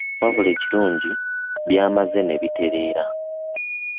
Wabula ekirungi byamaze ne bitereera.